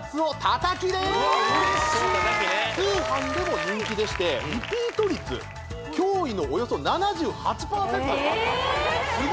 たたきでーす通販でも人気でしてリピート率驚異のおよそ７８％です